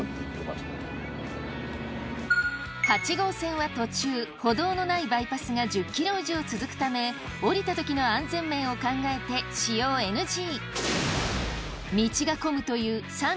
８号線は途中歩道のないバイパスが１０ｋｍ以上続くため降りたときの安全面を考えて使用ＮＧ。